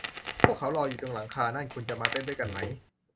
พวกเขารออยู่ตรงหลังคานั่น คุณจะมาเต้นด้วยกันไหม